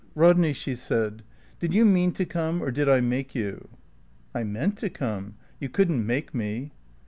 "Rodney," she said, "did you mean to come, or did I make you?" "I meant to come. You couldn't make me."